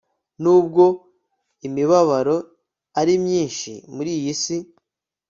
n'ubwo imibabaro ari myinshi muri iyi si